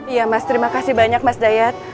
iya mas terima kasih banyak mas dayat